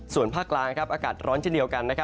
ส่วนภาคกลางอากาศร้อนเช่นเดียวกัน